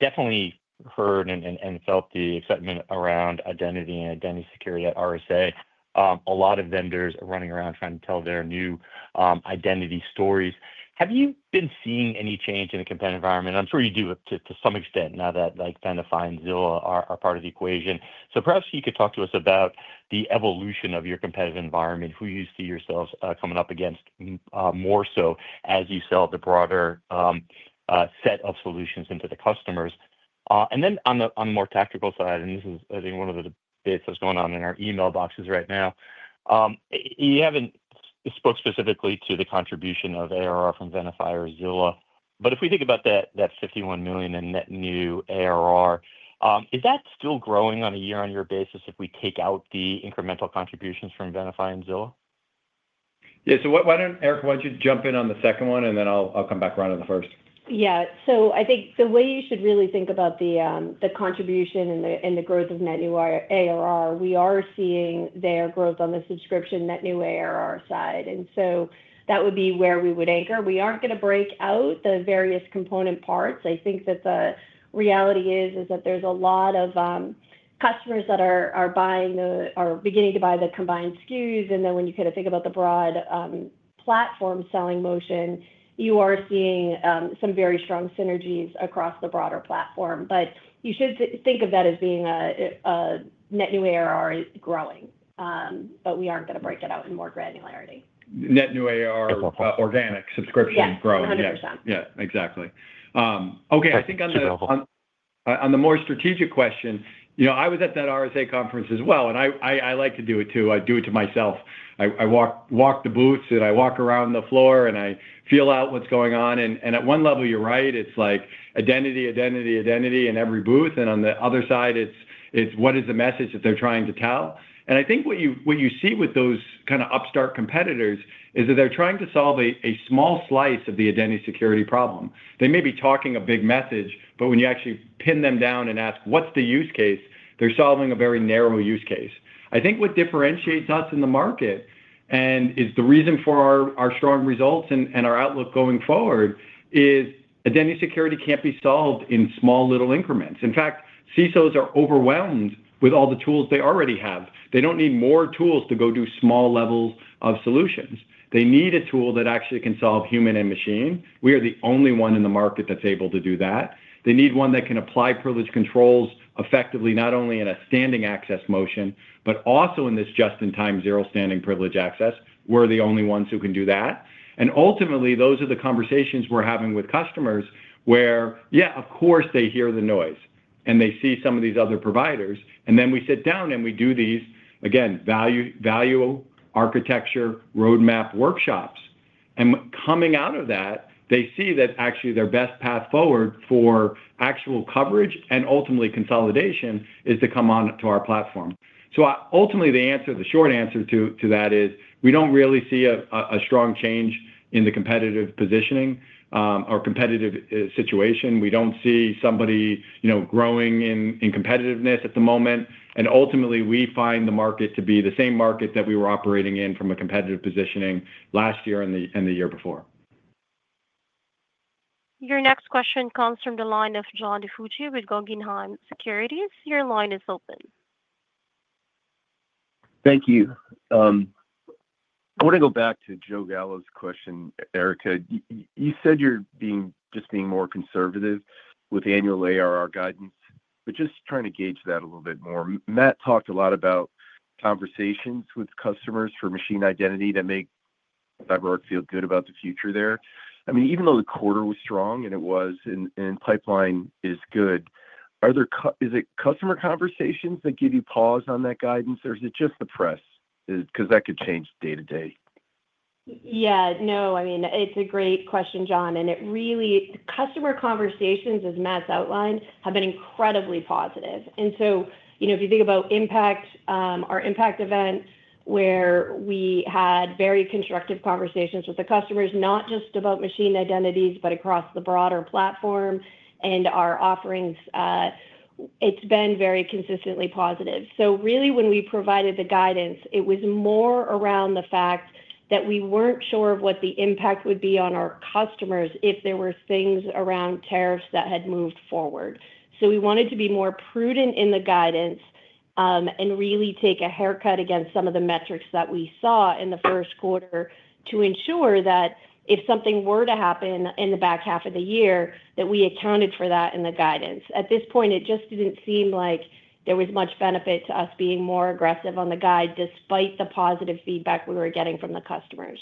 [SPEAKER 9] definitely heard and felt the excitement around identity and identity security at RSA. A lot of vendors are running around trying to tell their new identity stories. Have you been seeing any change in the competitive environment? I'm sure you do to some extent now that Venafi and Zilla are part of the equation. So perhaps you could talk to us about the evolution of your competitive environment, who you see yourselves coming up against more so as you sell the broader set of solutions into the customers? Then on the more tactical side, and this is, I think, one of the bits that's going on in our email boxes right now, you haven't spoke specifically to the contribution of ARR from Venafi or Zilla. If we think about that $51 million in net new ARR, is that still growing on a year-on-year basis if we take out the incremental contributions from Venafi and Zilla?
[SPEAKER 3] Yeah. Why don't Erica, why don't you jump in on the second one, and then I'll come back around to the first?
[SPEAKER 4] Yeah. I think the way you should really think about the contribution and the growth of net new ARR, we are seeing their growth on the subscription net new ARR side. That would be where we would anchor. We aren't going to break out the various component parts. I think that the reality is that there's a lot of customers that are beginning to buy the combined SKUs. And then when you kind of think about the broad platform selling motion, you are seeing some very strong synergies across the broader platform. But you should think of that as being a net new ARR growing. But we aren't going to break it out in more granularity.
[SPEAKER 3] Net new ARR organic subscription growing.
[SPEAKER 4] Yeah, 100%.
[SPEAKER 3] Yeah, exactly. Okay. I think
[SPEAKER 9] Okay. Super helpful.
[SPEAKER 3] on the more strategic question, I was at that RSA conference as well. And I like to do it too. I do it to myself. I walk the booths and I walk around the floor and I feel out what's going on. And at one level, you're right. It's like identity, identity, identity in every booth. On the other side, it's what is the message that they're trying to tell. I think what you see with those kind of upstart competitors is that they're trying to solve a small slice of the identity security problem. They may be talking a big message, but when you actually pin them down and ask, "What's the use case?" they're solving a very narrow use case. I think what differentiates us in the market and is the reason for our strong results and our outlook going forward is identity security can't be solved in small little increments. In fact, CISOs are overwhelmed with all the tools they already have. They don't need more tools to go do small levels of solutions. They need a tool that actually can solve human and machine. We are the only one in the market that's able to do that. They need one that can apply privilege controls effectively, not only in a standing access motion, but also in this just-in-time zero standing privilege access. We're the only ones who can do that. Ultimately, those are the conversations we're having with customers where, yeah, of course, they hear the noise and they see some of these other providers. We sit down and we do these, again, value architecture roadmap workshops. Coming out of that, they see that actually their best path forward for actual coverage and ultimately consolidation is to come on to our platform. Ultimately, the short answer to that is we do not really see a strong change in the competitive positioning or competitive situation. We do not see somebody growing in competitiveness at the moment. Ultimately, we find the market to be the same market that we were operating in from a competitive positioning last year and the year before.
[SPEAKER 1] Your next question comes from the line of John DiFucci with Guggenheim Securities. Your line is open.
[SPEAKER 10] Thank you. I want to go back to Joe Gallo's question, Erica. You said you're just being more conservative with annual ARR guidance, but just trying to gauge that a little bit more. Matt talked a lot about conversations with customers for machine identity that make CyberArk feel good about the future there. I mean, even though the quarter was strong and it was and pipeline is good, is it customer conversations that give you pause on that guidance, or is it just the press? Because that could change day-to-day.
[SPEAKER 4] Yeah. No, I mean, it's a great question, John. Customer conversations, as Matt's outlined, have been incredibly positive. If you think about IMPACT, our IMPACT event where we had very constructive conversations with the customers, not just about machine identities, but across the broader platform and our offerings, it's been very consistently positive. When we provided the guidance, it was more around the fact that we weren't sure of what the impact would be on our customers if there were things around tariffs that had moved forward. We wanted to be more prudent in the guidance and really take a haircut against some of the metrics that we saw in the first quarter to ensure that if something were to happen in the back half of the year, we accounted for that in the guidance. At this point, it just did not seem like there was much benefit to us being more aggressive on the guide despite the positive feedback we were getting from the customers.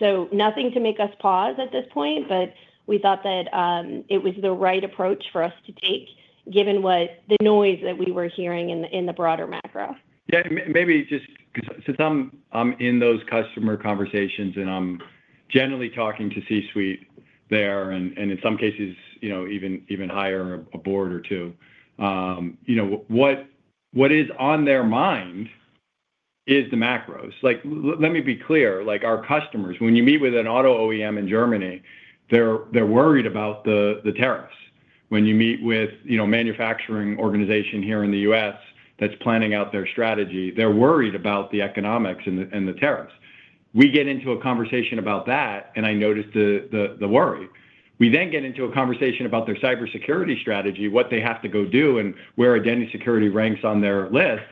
[SPEAKER 4] Nothing to make us pause at this point, but we thought that it was the right approach for us to take given the noise that we were hearing in the broader macro.
[SPEAKER 3] Maybe just since I am in those customer conversations and I am generally talking to C-suite there and in some cases even higher, a Board or two, what is on their mind is the macros. Let me be clear. Our customers, when you meet with an auto OEM in Germany, they are worried about the tariffs. When you meet with a manufacturing organization here in the U.S. that is planning out their strategy, they are worried about the economics and the tariffs. We get into a conversation about that, and I notice the worry. We then get into a conversation about their cybersecurity strategy, what they have to go do, and where identity security ranks on their list.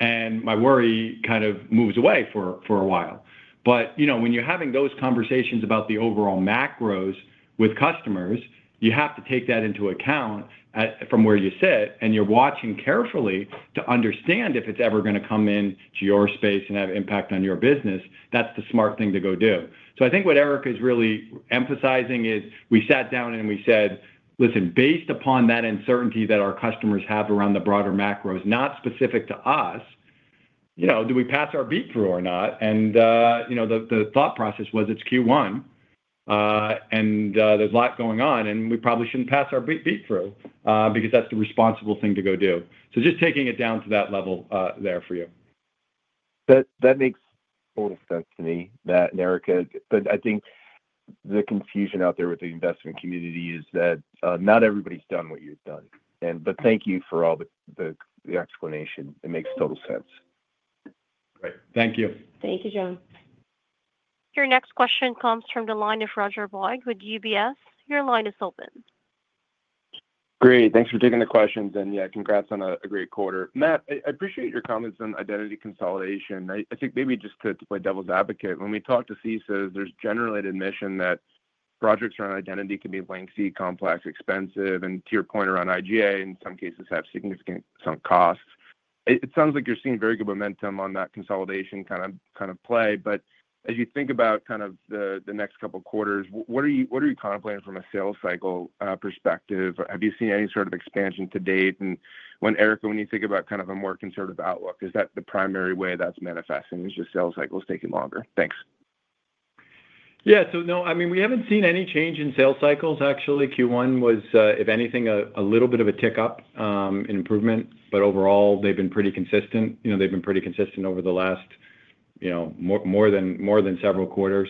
[SPEAKER 3] My worry kind of moves away for a while. When you're having those conversations about the overall macros with customers, you have to take that into account from where you sit. You're watching carefully to understand if it's ever going to come into your space and have impact on your business. That's the smart thing to go do. I think what Erica is really emphasizing is we sat down and we said, "Listen, based upon that uncertainty that our customers have around the broader macros, not specific to us, do we pass our BEAT through or not?" The thought process was it's Q1 and there's a lot going on, and we probably shouldn't pass our BEAT through because that's the responsible thing to go do. Just taking it down to that level there for you.
[SPEAKER 10] That makes total sense to me, Matt and Erica. I think the confusion out there with the investment community is that not everybody's done what you've done. Thank you for all the explanation. It makes total sense.
[SPEAKER 3] Great. Thank you.
[SPEAKER 4] Thank you, John.
[SPEAKER 1] Your next question comes from the line of Roger Boyd with UBS. Your line is open.
[SPEAKER 11] Great. Thanks for taking the questions. Yeah, congrats on a great quarter. Matt, I appreciate your comments on identity consolidation. I think maybe just to play devil's advocate, when we talk to CISOs, there's generally the admission that projects around identity can be lengthy, complex, expensive, and to your point around IGA, in some cases, have significant costs. It sounds like you're seeing very good momentum on that consolidation kind of play. As you think about kind of the next couple of quarters, what are you contemplating from a sales cycle perspective? Have you seen any sort of expansion to date? Erica, when you think about kind of a more conservative outlook, is that the primary way that's manifesting, just sales cycles taking longer? Thanks.
[SPEAKER 3] Yeah. No, I mean, we haven't seen any change in sales cycles. Actually, Q1 was, if anything, a little bit of a tick up in improvement. Overall, they've been pretty consistent. They've been pretty consistent over the last more than several quarters.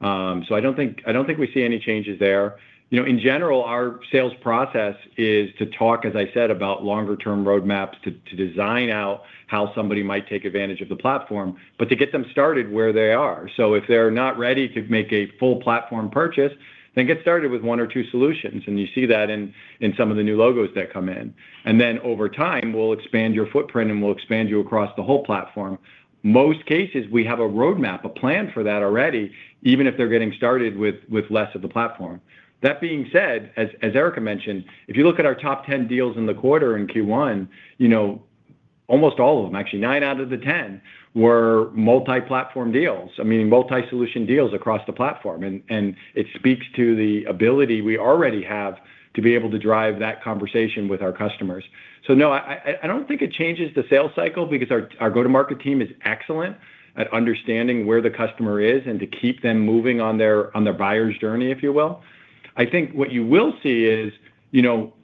[SPEAKER 3] I don't think we see any changes there. In general, our sales process is to talk, as I said, about longer-term roadmaps to design out how somebody might take advantage of the platform, but to get them started where they are. If they're not ready to make a full platform purchase, then get started with one or two solutions. You see that in some of the new logos that come in. Over time, we'll expand your footprint and we'll expand you across the whole platform. In most cases, we have a roadmap, a plan for that already, even if they're getting started with less of the platform. That being said, as Erica mentioned, if you look at our top 10 deals in the quarter in Q1, almost all of them, actually nine out of the 10, were multi-platform deals, I mean, multi-solution deals across the platform. It speaks to the ability we already have to be able to drive that conversation with our customers. No, I do not think it changes the sales cycle because our go-to-market team is excellent at understanding where the customer is and to keep them moving on their buyer's journey, if you will. I think what you will see is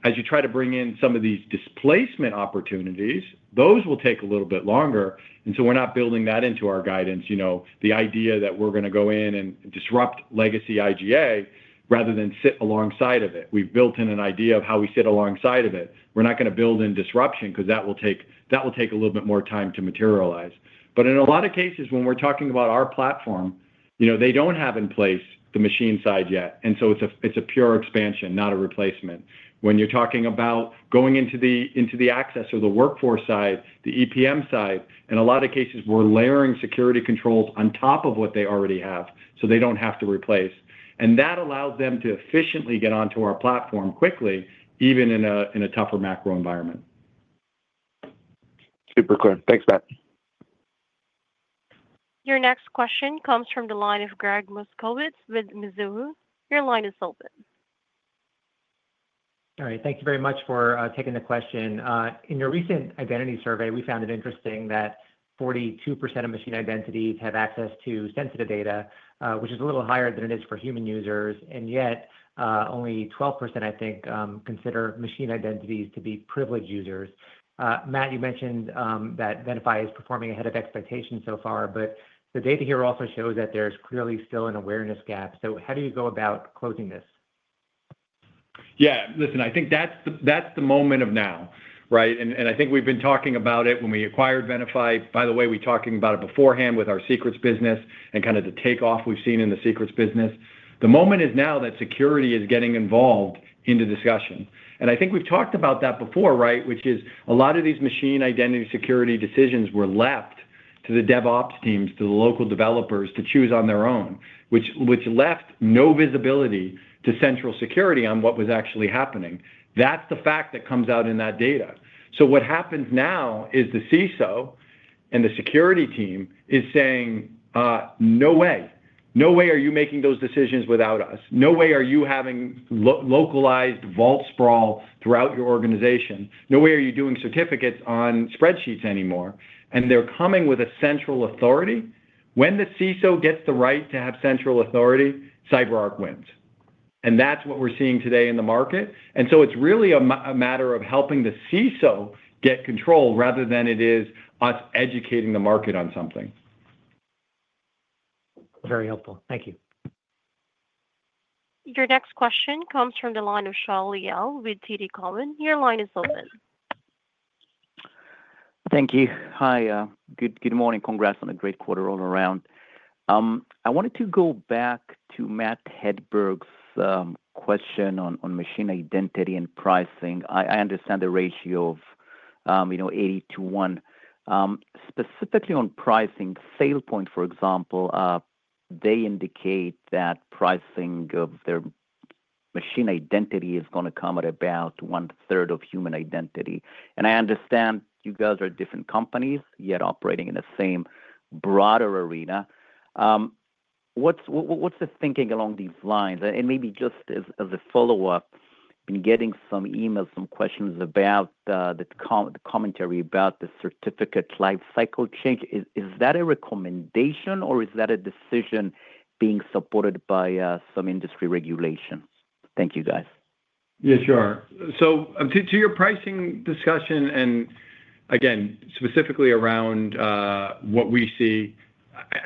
[SPEAKER 3] as you try to bring in some of these displacement opportunities, those will take a little bit longer. We are not building that into our guidance, the idea that we are going to go in and disrupt legacy IGA rather than sit alongside of it. We've built in an idea of how we sit alongside of it. We're not going to build in disruption because that will take a little bit more time to materialize. In a lot of cases, when we're talking about our platform, they don't have in place the machine side yet. It is a pure expansion, not a replacement. When you're talking about going into the access or the workforce side, the EPM side, in a lot of cases, we're layering security controls on top of what they already have so they don't have to replace. That allows them to efficiently get onto our platform quickly, even in a tougher macro environment.
[SPEAKER 11] Super clear. Thanks, Matt.
[SPEAKER 1] Your next question comes from the line of Gregg Moskowitz with Mizuho. Your line is open.
[SPEAKER 12] All right. Thank you very much for taking the question. In your recent identity survey, we found it interesting that 42% of machine identities have access to sensitive data, which is a little higher than it is for human users. Yet, only 12%, I think, consider machine identities to be privileged users. Matt, you mentioned that Venafi is performing ahead of expectations so far, but the data here also shows that there's clearly still an awareness gap. How do you go about closing this?
[SPEAKER 3] Yeah. Listen, I think that's the moment of now, right? I think we've been talking about it when we acquired Venafi. By the way, we were talking about it beforehand with our Secrets business and kind of the takeoff we've seen in the Secrets business. The moment is now that security is getting involved in the discussion. I think we've talked about that before, right, which is a lot of these machine identity security decisions were left to the DevOps teams, to the local developers to choose on their own, which left no visibility to central security on what was actually happening. That's the fact that comes out in that data. What happens now is the CISO and the security team is saying, "No way. No way are you making those decisions without us. No way are you having localized vault sprawl throughout your organization. No way are you doing certificates on spreadsheets anymore." They're coming with a central authority. When the CISO gets the right to have central authority, CyberArk wins. That's what we're seeing today in the market. It's really a matter of helping the CISO get control rather than it is us educating the market on something.
[SPEAKER 12] Very helpful. Thank you.
[SPEAKER 1] Your next question comes from the line of Shaul Eyal with TD Cowen. Your line is open.
[SPEAKER 13] Thank you. Hi. Good morning. Congrats on a great quarter all around. I wanted to go back to Matt Hedberg's question on machine identity and pricing. I understand the ratio of 80 to 1. Specifically on pricing, SailPoint, for example, they indicate that pricing of their machine identity is going to come at about one-third of human identity. I understand you guys are different companies, yet operating in the same broader arena. What's the thinking along these lines? Maybe just as a follow-up, I've been getting some emails, some questions about the commentary about the certificate life cycle change. Is that a recommendation, or is that a decision being supported by some industry regulations? Thank you, guys.
[SPEAKER 3] Yeah, sure. To your pricing discussion, and again, specifically around what we see,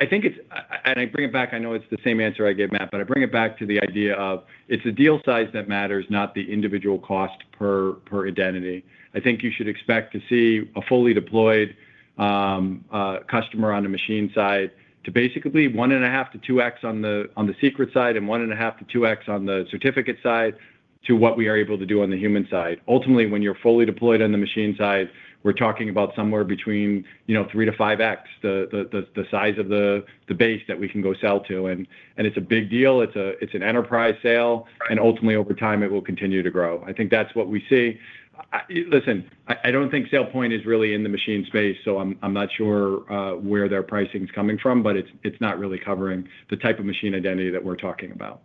[SPEAKER 3] I think it's—I bring it back. I know it's the same answer I gave, Matt, but I bring it back to the idea of it's the deal size that matters, not the individual cost per identity. I think you should expect to see a fully deployed customer on the machine side to basically 1.5x to 2x on the secret side and one and 1.5x to 2x on the certificate side to what we are able to do on the human side. Ultimately, when you're fully deployed on the machine side, we're talking about somewhere between 3x to 5x the size of the base that we can go sell to. It's a big deal. It's an enterprise sale. Ultimately, over time, it will continue to grow. I think that's what we see. Listen, I don't think SailPoint is really in the machine space, so I'm not sure where their pricing is coming from, but it's not really covering the type of machine identity that we're talking about.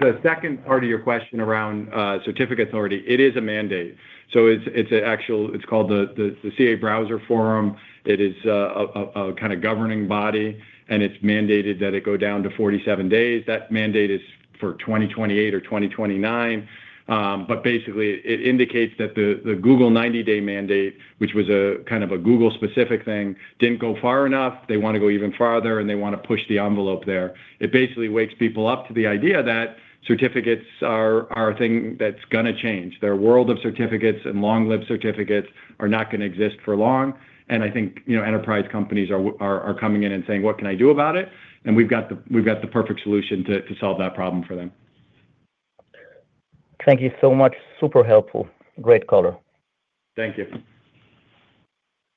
[SPEAKER 3] The second part of your question around certificate authority, it is a mandate. It is called the CA/Browser Forum. It is a kind of governing body, and it is mandated that it go down to 47 days. That mandate is for 2028 or 2029. Basically, it indicates that the Google 90-day mandate, which was kind of a Google-specific thing, did not go far enough. They want to go even farther, and they want to push the envelope there. It basically wakes people up to the idea that certificates are a thing that is going to change. Their world of certificates and long-lived certificates are not going to exist for long. I think enterprise companies are coming in and saying, "What can I do about it?" We've got the perfect solution to solve that problem for them.
[SPEAKER 13] Thank you so much. Super helpful. Great color.
[SPEAKER 3] Thank you.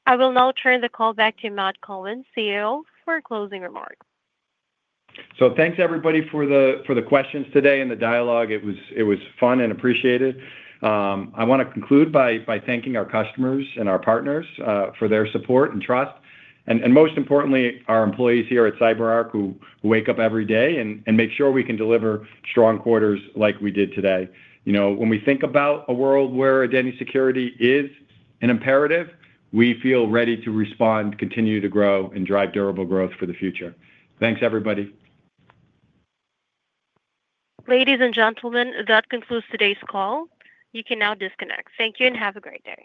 [SPEAKER 1] I will now turn the call back to Matt Cohen, CEO, for a closing remark.
[SPEAKER 3] Thanks, everybody, for the questions today and the dialogue. It was fun and appreciated. I want to conclude by thanking our customers and our partners for their support and trust. Most importantly, our employees here at CyberArk who wake up every day and make sure we can deliver strong quarters like we did today. When we think about a world where identity security is an imperative, we feel ready to respond, continue to grow, and drive durable growth for the future. Thanks, everybody.
[SPEAKER 1] Ladies and gentlemen, that concludes today's call. You can now disconnect. Thank you and have a great day.